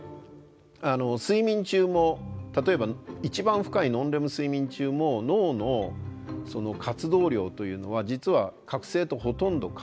睡眠中も例えば一番深いノンレム睡眠中も脳の活動量というのは実は覚醒とほとんど変わりません。